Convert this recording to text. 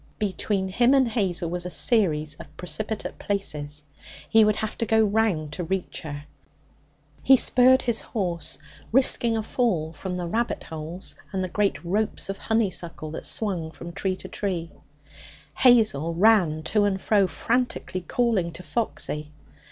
Between him and Hazel was a series of precipitous places. He would have to go round to reach her. He spurred his horse, risking a fall from the rabbit holes and the great ropes of honeysuckle that swung from tree to tree. Hazel ran to and fro, frantically calling to Foxy.